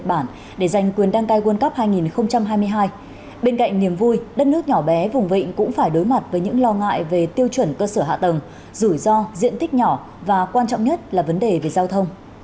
bên cạnh niềm vui đất nước nhỏ bé vùng vịnh cũng phải đối mặt với những lo ngại về tiêu chuẩn cơ sở hạ tầng rủi ro diện tích nhỏ và quan trọng nhất là vấn đề về giao thông